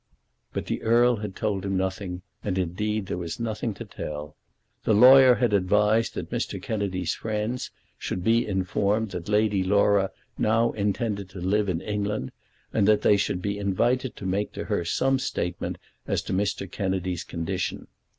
But the Earl had told him nothing, and indeed, there was nothing to tell. The lawyer had advised that Mr. Kennedy's friends should be informed that Lady Laura now intended to live in England, and that they should be invited to make to her some statement as to Mr. Kennedy's condition.